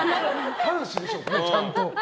半紙でしょうね、ちゃんと。